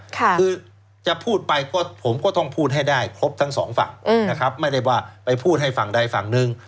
คือจะพูดไปก็ผมก็ต้องพูดให้ได้ครบทั้งสองฝั่งนะครับไม่ได้ว่าไปพูดให้ฝั่งใดฝั่งหนึ่ง